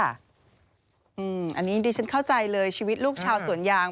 อันนี้ดิฉันเข้าใจเลยชีวิตลูกชาวสวนยาง